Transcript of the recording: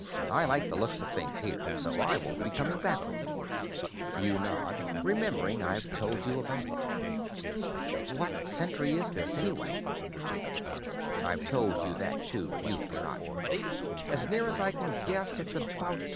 I like the looks of things here, so I won't be coming back with you." You nod, remembering I've told you about it. "What century is this, anyway?" I'd told you that, too, but you've forgotten. "As near as I can guess, it's about 2150.